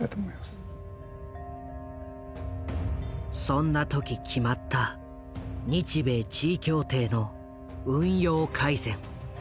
そんな時決まった日米地位協定の運用改善。